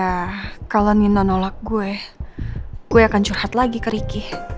ya kalau nino nolak gue gue akan curhat lagi ke ricky